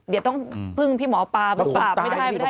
เดี๋ยวต้องพึ่งพี่หมอปามาปรับไม่ได้